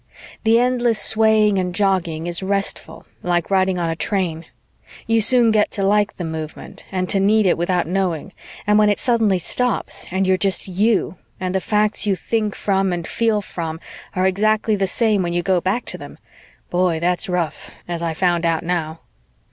The endless swaying and jogging is restful, like riding on a train. You soon get to like the movement and to need it without knowing, and when it suddenly stops and you're just you and the facts you think from and feel from are exactly the same when you go back to them boy, that's rough, as I found out now.